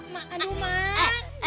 makan dong mak